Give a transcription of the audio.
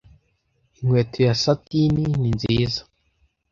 inkweto ya satini ni nziza